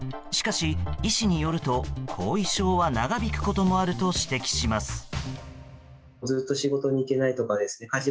しかし医師によると、後遺症は長引くこともあると指摘します。